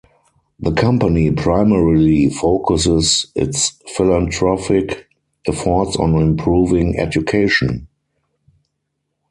The company primarily focuses its philanthropic efforts on improving education.